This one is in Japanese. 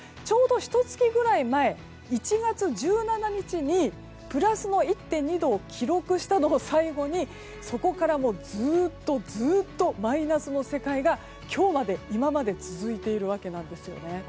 ちょうどひと月ぐらい前１月１７日にプラスの１．２度を記録したのを最後にそこからずっとマイナスの世界が今日まで今まで続いているわけなんですよね。